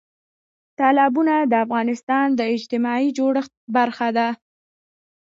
تالابونه د افغانستان د اجتماعي جوړښت برخه ده.